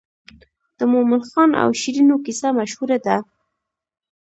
د مومن خان او شیرینو کیسه مشهوره ده.